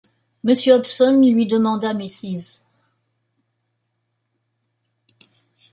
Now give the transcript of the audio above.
Monsieur Hobson, lui demanda Mrs.